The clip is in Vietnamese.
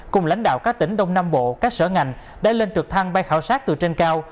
cùng lãnh đạo các tỉnh đông nam bộ các sở ngành đã lên trực thăng bay khảo sát từ trên cao